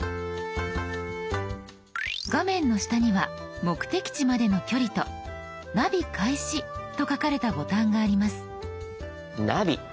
画面の下には目的地までの距離と「ナビ開始」と書かれたボタンがあります。